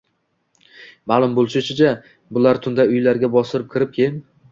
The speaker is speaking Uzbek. Ma`lum bo`lishicha, bular tunda uylarga bostirib kirib, keyin